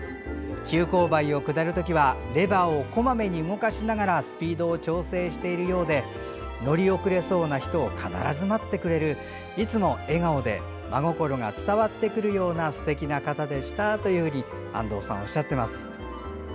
急勾配を下るときはレバーをこまめに動かしながらスピードを調整しているようで乗り遅れそうな人を必ず待ってくれるいつも笑顔で真心が伝わってくるような素敵な方でした」と安藤さんおっしゃっています。